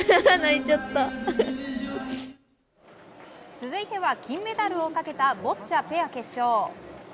続いては金メダルをかけたボッチャペア決勝。